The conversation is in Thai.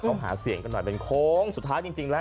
เข้าหาเสียงก่อยเป็นโครงสุธราต้์จริง